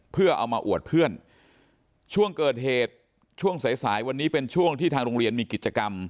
เพื่อเอามาอวดเพื่อนช่วงเกิดเหตุช่วงสายสายวันนี้เป็นช่วงที่ทางโรงเรียนมีกิจกรรม